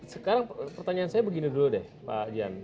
sekarang pertanyaan saya begini dulu deh pak jan